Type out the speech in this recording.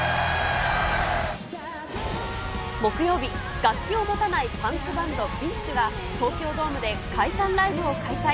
木曜日、楽器を持たないパンクバンド、ＢｉＳＨが、東京ドームで解散ライブを開催。